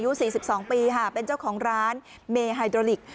ยูนสี่สิบสองปีค่ะเป็นเจ้าของร้านเมย์ไฮดรอลิก